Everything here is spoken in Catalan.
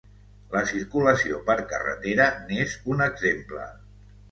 La circulació per carretera n'és un exemple.